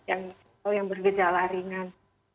atau yang bergejala ringan